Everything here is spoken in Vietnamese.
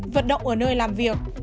vận động ở nơi làm việc